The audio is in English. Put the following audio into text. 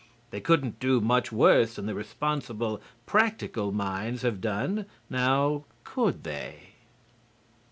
They couldn't do much worse than the responsible, practical minds have done, now, could they?